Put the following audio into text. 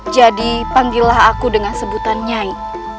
jadi panggillah aku dengan sebutan nyai